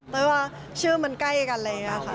แต่ว่าชื่อมันใกล้กันอะไรอย่างนี้ค่ะ